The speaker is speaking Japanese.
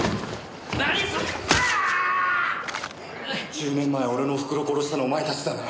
１０年前俺のおふくろを殺したのはお前たちだな？